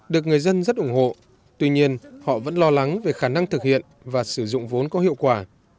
được người dân rất ủng hộ tuy nhiên họ vẫn lo lắng về khả năng thực hiện và sử dụng vốn có hiệu quả